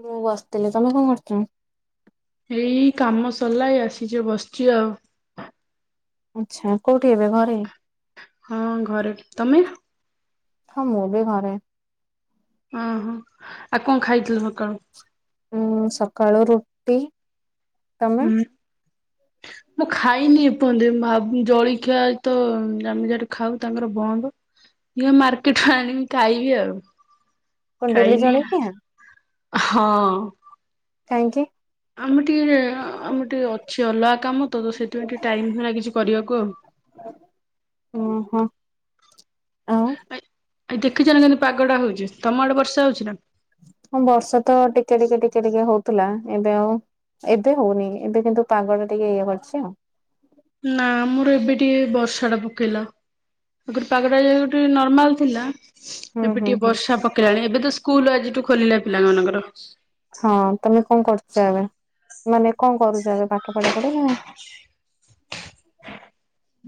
ମୁଁ ବସିଥିଲି ତମେ କଣ କରିୁଛ? ଏଇ କାମ ସରିଲା ଏଇ ଆସିଛ ବସିଚ ଆଉ ଆଛା କୋଉଠି ଏବେ ଘରେ ହଁ ଘରେ ତମେ? ହଁ ମୁଁ ବି ଘରେ ଓହୋ ଆଉ କଣ ଖାଇଥିଲୁ ସକାଳୁ ମୁଁ ସକାଳୁ ରୁଟି ତମେ ହୁଁ [unintelligible] ମୁଁ ଖାଇନି ଏପଜତେ ଜଳଖିଆ ତ ଆମେ ଯଠି ଖାଉ ତାଙ୍କର ବନ୍ଦ ମାର୍କେଟ ରୁ ଆଣିବି ଖାଇବି ଆଉ କଣ ଡେଲି ଖାଇନି ଜଳଖିଆ ହଁ କାଇ କି ଆମେ ଟିକିେ ଆମର ଟିକିେ ଅଛି ଅଲଗା କାମ ତ ସେଥିପାଇଁ ଟିକେ ଟାଇମ୍ଁ କିଛି କରିବାକୁ ଆଉ ଓ ହୋ ଆ ଏ ଦେଖିଛ ନା କେମତି ପାଗଟା ହଉଛି ତମ ଆଡେ ବର୍ଷା ହଉଛି ନା ହଁ ବର୍ଷ ତ ଟିକେ ଟିକେ ଟିକେ ଟିକେ ହଉଥିଲା ଏବେ ଆଉ ଏବେ ହଉନି ଏବେ କିନ୍ତୁ ପାଗଟା ଟିକେ ଇଏ କରିଛି ଆଉ ନା ମୋର ଏବେ ଟିକେ ବର୍ଷା ଟା ପକେଇଲା ମୁଁ କହିଲି ପାଗଟା ଯୋଉଠି ନର୍ମାଲ ଥିଲା ହୁଁ ଏବେ ହୁଁ ଟିକେ ହୁଁ ବର୍ଷା ପକେଇାଣି ଏବେ ତ ସ୍କୁଲ ଆଜିଠୁ ଖୋଲିଲା ପିଲା ମାନଙ୍କର ହଁ ତମେ କଣ କରୁଛ ଏବେ ମାନେ କଣ କରୁଚ଼ ଏବେ ପାଠ ପଢା ପଢି ନା ନାଇଁ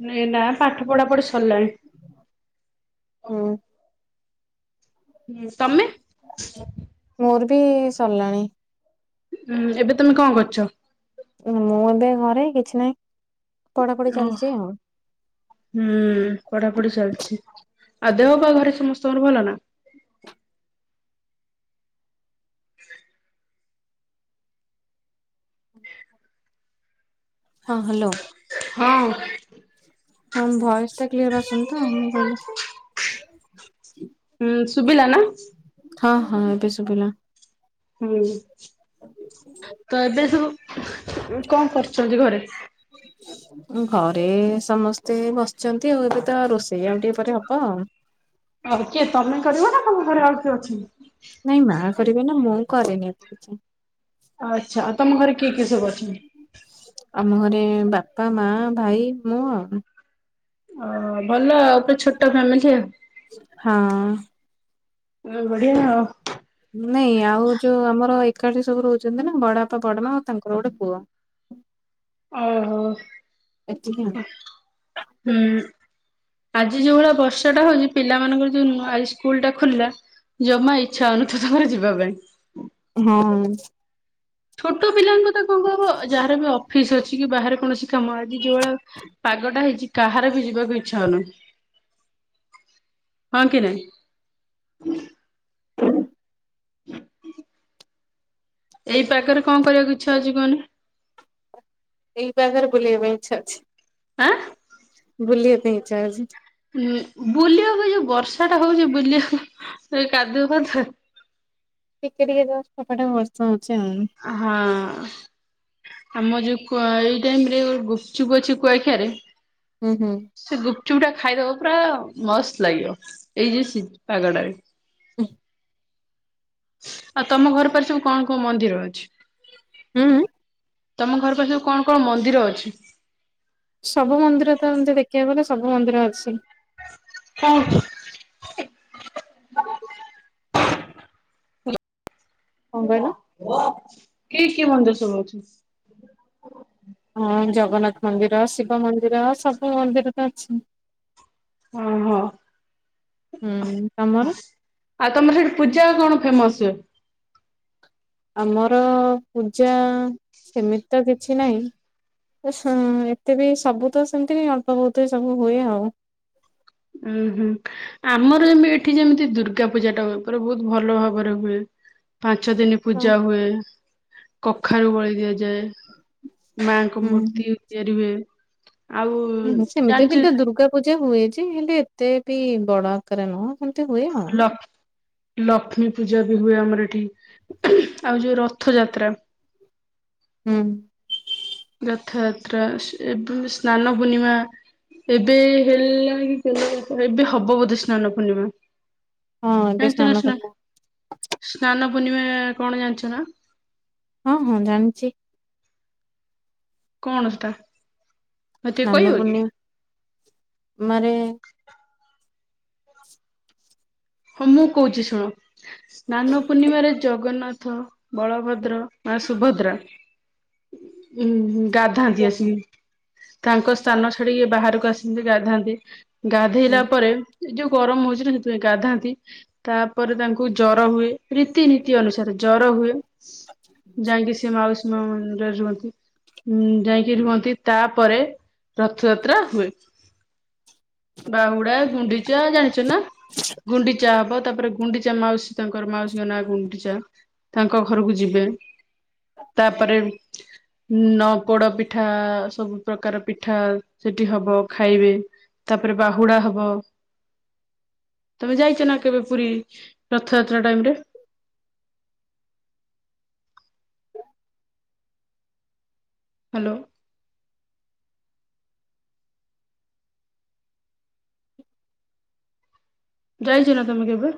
ନାଇ ନା ପାଠ ପଢା ପଢି ସରିଲାଣି ହଁ। ଉଁ ତମେ ମୋର ବି ସରିଲାଣି ଉୁଁ ଏବେ ତମେ କଣ କରୁଛ ମୁଁ ଏବେ ଘରେ କିଛି ନାହିଁ ପଢାପଢି ଓ ଚାଲିଛି ଆଉ ହୁଁ ପଢାପଢି ଚାଲିଛି ଆଉ ଦେହ ପା ଘରେ ସମସ୍ତଙ୍କର ଭଲ ନା [inaudible] ହଁ ହ୍ୟାଲୋ। ହଁ। ହଁ ଭଏସ ଟ କ୍ଲିୟର ଆସୁନି ତ ମୁଁ କହିଲି ହୁଁ ସୁଭିଲା ନା ହଁ ହଁ ଏବେ ଶୁଭିଲା ହୁଁ ତ ଏବେ ସବୁ କଣ କରୁଛନ୍ତି ଘରେ ହ [inaudible] ଘରେ ସମସ୍ତେ ବସିଛନ୍ତି ଆଉ ଏବେ ତ ରୋଷେଇ ଆଉ ଟିକେ ପରେ ହବ ଆଉ ଆଉ କିଏ ତମେ କରିବ ନା ତମ ଘରେ ଆଉ କିଏ ଅଛନ୍ତି। ନାଇଁ ମା କରିବେ ନା ମୁଁ କରିରେନି। ଆଚ୍ଛା ଆଉ ତମ ଘରେ କିଏ କିଏ ସବୁ ଅଛନ୍ତି। ଆମ ଘରେ ବାପା ମା ଭାଇ ମୁଁ ଆଉ। ଓ ଭଲ ଆଉ ଗୋଟେ ଛୋଟ ଫ୍ୟାମିଲି। ହଁ। ଏବେ ବଢିଆ ଆଉ ନାଇଁ ଆଉ ଯୋଉ ଆମର ଏକାଠି ସବୁ ରହୁଛନ୍ତି ନା ବଡ ବାପା ବଡ ମା ଆଉ ତାଙ୍କର ଗୋଟେ ପୁଅ ହୁଁ [unintelligible] ଓହୋ ଏତିକି ଆଉ ହୁଁ ଆଜି ଯୋଉ ଭଳିଆ ବର୍ଷାଟା ହଉଛି ପିଲା ମାନଙ୍କର ଯୋଉ ନୁହ ଆ ସ୍କୁଲ ଟା ଖୋଲିଲା ଜମା ଇଚ୍ଛା ଅନୁଥ ହଉ ନଥିବ ତମର ଯିବା ପାଇଁ ହଁ। ଛୋଟ ପିଲାଙ୍କୁ ତ କଣ କହିବ ଯାହାର ବି ଫିସ୍ ଅଛି କି ବାହାରେ କୌଣସି କାମ ଆଜି ଯୋଉଭଳିଆ ପାଗଟା ହେଇଛି କାହାର ବି ଯିବାକୁ ଇଚ୍ଛା ହଉନି [inaudible] ହଁ କିରେ ହ [unintelligible] ଏଇ ପାଖରେ କଆଁ କରିବାକୁ ଇଚ୍ଛା ଅଛି କହନି ଏଇ ପାଖରେ ବୁଲିବା ପାଇଁ ଇଚ୍ଛା ଆଁ ଅଛି ବୁଲିବା ପାଇଁ ଇଚଛା ଅଛି ହଁ ବୁଲିବାକୁ ଯୋଉ ବର୍ଷା ଟା ହଉଛି ବୁଲିବାକୁ କାଦୁଅ ଫାଦୁଅ ଟିକେ ଟିକେ ଯାଛୋପାଟେ ବର୍ଷା ହଉଛି ଆଉ ହଁ ଆମ ଯୋଉ ଏଇ ଟାଇମ ରେ ଗୁପଚୁପ୍ ଅଛି କୁଆଖିଆରେ ହୁଁ ହୁଁ ସେ ଗୁପଚୁପ ଟା ଖାଇଦବ ପୁରା ମସ୍ତ ଲାଗିବ ଏଇ ଯଉ ପାଗଟାରେ ଓଁ ଆଉ ତମ ଘର ପାସେ ସବୁ କଣ କଣ ମନ୍ଦିର ଅଛି ହୁଁ ତମ ଘର ପାଖରେ କଣ କଣ ମନ୍ଦିର ଅଛି ସବୁ ମନ୍ଦିର ତ ଏମିତି ଦେଖିବାକୁ ଗଲେ ସବୁ ମନ୍ଦିର ଅଛି ହୁଁ ହ୍ୟାଲୋ କଣ କହିଲ? କିଏ କିଏ ମନ୍ଦିର ସବୁ ଅଛି। ହଁ ଜଗନ୍ନାଥ ମନ୍ଦିର ଶିବ ମନ୍ଦିର ସବୁ ମନ୍ଦିର ତ ଅଛି। ଓହୋ ହୁଁ ତମର। ଆଉ ତମର ସେଇଠି ପୂଜା କଣ ଫେମସ। ଆମର ପୂଜା ସେମିତି ତ କିଛି ନାହିଁ। ହ ଏତେ ବି ସବୁ ତ ସେମିତି ଅଳ୍ପ ବହୁତ ହୁଏ ସବୁ ହୁଏ ଆଉ ଉୁଁ ହୁଁ ଆମର ଏବେ ଏଠି ଯେମିତି ଦୁର୍ଗା ପୂଜା ଟା ପୁରା ବହୁତ ଭଲ ଭାବରେ ହୁଏ ପାଞ୍ଚ ଦିନ ହଁ। ପୂଜା ହୁଏ କଖାରୁ ବଳି ଦିଆଯାଏ। ମାଙ୍କ ହୁଁ ମୂର୍ତ୍ତି ତିଆରି ହୁ ଆଉ ହୁଁ ସେମିତି ବି ଜାଣିଛୁ ତ ଦୁର୍ଗା ପୂଜା ହୁଏ ଯେ ହେଲେ ଏତେ ବି ବଡ ଆକାରରେ ନୁହଁ ସେମିତି ହୁଏ ଆଉ। ଲ ଲକ୍ଷ୍ମୀ ପୂଜା ବି ହୁଏ ଆମର ଏଠି ଆଉ ଯୋଉ ରଥ ଯାତ୍ରା ହୁଁ। ରଥଯାତ୍ରା ସ ଏବେ ସ୍ନାନ ପୂର୍ଣ୍ଣିମା। ଏବେ ହେଲା କି ଏବେ ହବ ବୋଧେ ସ୍ନାନ ପୂର୍ଣ୍ଣିମା। ହଁ ଏବେ ଜାଣିଛ ସ୍ନାନ ନା ସ୍ନା ପୂର୍ଣ୍ଣିମା ସ୍ନାନ ପୂର୍ଣ୍ଣିମା କଣ ଜାଣିଛ ନା? ହଁ ହଁ ଜାଣିଛି। କଣ ସେଟା? ମତେ ଟିକେ ସ୍ନାନ କହିବ କି? ପୂର୍ଣ୍ଣିମା ମାରେ ହଁ ମୁଁ କହୁଛି ଶୁଣ ସ୍ନାନ ପୂର୍ଣ୍ଣିମାରେ ଜଗନ୍ନାଥ ବଳଭଦ୍ର ମା ସୁଭଦ୍ରା ଉଁ ଗାଧାନ୍ତି ଆସିକି ତାଙ୍କ ସ୍ଥାନ ଛାଡିକି ବାହାରକୁ ଆସିନ୍ତି ଗାଧାନ୍ତି ହୁଁ ଗାଧେଇଲା ପରେ ଏ ଯୋଉ ଗରମ ହଉଛି ନା ସେଥିପାଇଁ ଗାଧା ତାପରେ ତାଙ୍କୁ ଜର ହୁଏ ରୀତିନୀତି ଅନୁସାରେ ଜର ହୁଏ। ଯାଇକି ସେ ମାଉସୀ ମା ମନ୍ଦିରେ ରୁହନ୍ତି। ଉଁ ଯାଇକି ରୁହନ୍ତି ତାପରେ ରଥଯାତ୍ରା ହୁଏ। ବାହୁଡା ଗୁଣ୍ଡିଚା ଜାଣିଛ ନା? ଗୁଣ୍ଡିଚା ହବ ତାପରେ ଗୁଣ୍ଡିଚା ମାଉସୀ ତାଙ୍କର ମାଉସୀଙ୍କ ନା ଗୁଣ୍ଡିଚା। ତାଙ୍କ ଘରକୁ ଯିବେ ତାପରେ ନ ପୋଡ ପିଠା ସବୁ ପ୍ରକାର ପିଠା ସେଠି ହବ ଖାଇବେ। ତାପରେ ବାହୁଡା ହବ। ତମେ ଯାଇଛ ନା କେବେ ପୁରୀ ରଥଯାତ୍ରା ଟାଇମରେ? ହ୍ୟାଲୋ। ଯାଇଛ ନା ତମେ କେବେ?